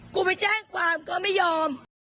กูไปแจ้งความก็ไม่ยอม